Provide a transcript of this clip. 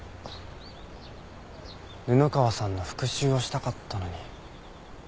布川さんの復讐をしたかったのに。